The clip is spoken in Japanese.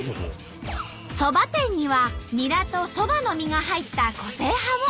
そば店にはニラとそばの実が入った個性派も。